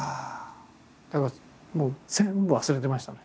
だからもう全部忘れてましたね。